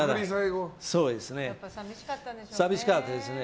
寂しかったですね。